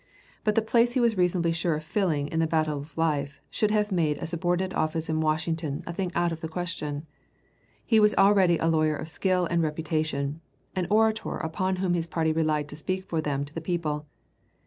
But the place he was reasonably sure of filling in the battle of life should have made a subordinate office in Washington a thing out of the question. He was already a lawyer of skill and reputation; an orator upon whom his party relied to speak for them to the people.